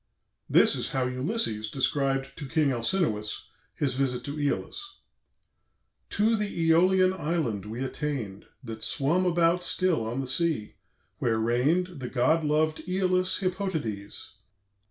This is how Ulysses described to King Alcinous his visit to Æolus: "To the Æolian island we attain'd, That swum about still on the sea, where reign'd The God lov'd Æolus Hippotades.